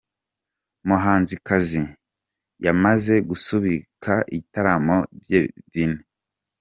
muhanzikazi yamaze gusubika ibitaramo bye bine.